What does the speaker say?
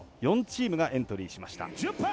４チームがエントリーしました。